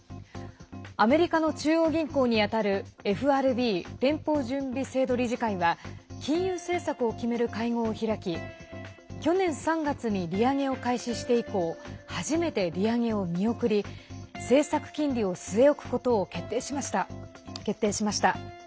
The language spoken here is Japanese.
アメリカの中央銀行にあたるＦＲＢ＝連邦準備制度理事会は金融政策を決める会合を開き去年３月に利上げを開始して以降初めて利上げを見送り政策金利を据え置くことを決定しました。